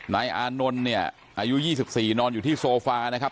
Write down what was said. นายอานนท์เนี่ยอายุ๒๔นอนอยู่ที่โซฟานะครับ